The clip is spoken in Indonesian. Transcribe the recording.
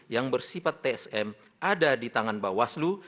yang bersifat tsm ada di tangan bawah selu